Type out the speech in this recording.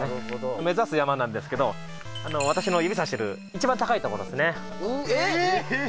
目指す山なんですけど、あの私の指さしている一番高い所ですね。